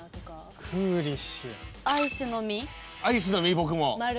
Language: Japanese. アイスの実僕も。